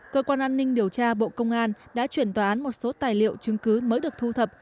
cơ quan an ninh điều tra bộ công an đã chuyển tòa án một số tài liệu chứng cứ mới được thu thập